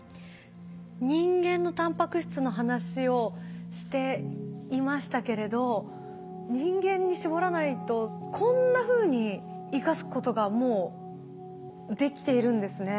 人間のタンパク質の話をしていましたけれど人間に絞らないとこんなふうに生かすことがもうできているんですね。